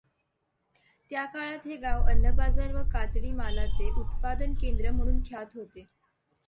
त्याकाळात हे गाव अन्नबाजार व कातडी मालाचे उत्पादनकेंद्र म्हणून ख्यात होते.